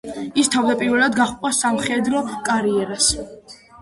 ის თავდაპირველად გაჰყვა სამხედრო კარიერას.